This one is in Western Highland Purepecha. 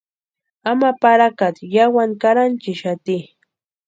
Ama parakata yáwani karhanchixati.